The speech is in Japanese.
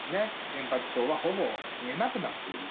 原発巣はほぼ見えなくなっている。